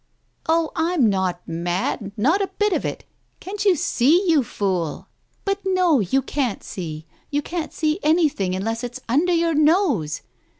" "Oh, I'm not mad, not a bit of it, can't you see, you fool? But, no, you can't see, you can't see anything, unless it's under, your nose.